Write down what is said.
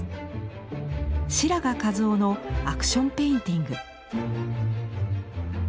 白髪一雄のアクション・ペインティング。